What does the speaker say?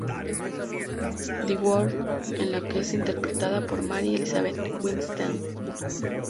The World", en la que es interpretada por Mary Elizabeth Winstead.